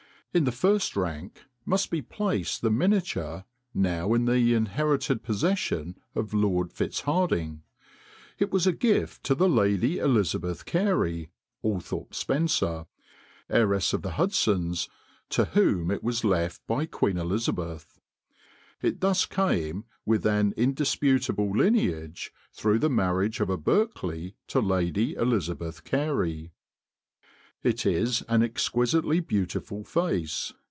In the first rank must be placed the miniature now in the inherited possession of Lord Fitzhardinge. It was a gift to the Lady Elizabeth Carey (Althorp Spenser), heiress of the Hunsdons, to whom it was left by Queen Elizabeth. It thus came with an indisputable lineage through the marriage of a Berkeley to Lady Elizabeth Carey. It is an exquisitely beautiful face.